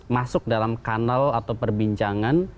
masuk dalam kanal atau perbincangan